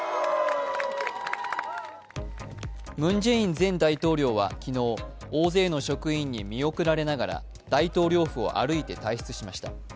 ムン・ジェイン前大統領は昨日大勢の職員に見送られながら大統領府を歩いて退出しました。